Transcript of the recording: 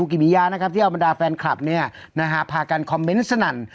กิมิยานะครับที่เอาบรรดาแฟนคลับพากันคอมเมนต์สนั่น